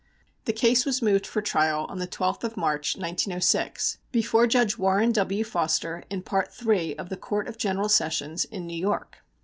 The case was moved for trial on the twelfth of March, 1906, before Judge Warren W. Foster, in Part Three of the Court of General Sessions in New York.